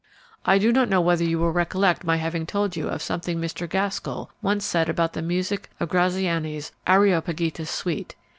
"I do not know whether you will recollect my having told you of something Mr. Gaskell once said about the music of Graziani's 'Areopagita' suite.